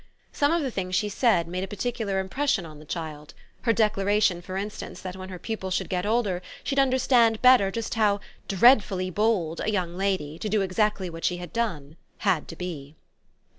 Some of the things she said made a particular impression on the child her declaration for instance that when her pupil should get older she'd understand better just how "dreadfully bold" a young lady, to do exactly what she had done, had to be.